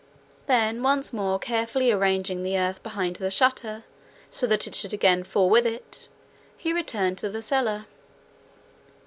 Then once more carefully arranging the earth behind the shutter, so that it should again fall with it, he returned to the cellar.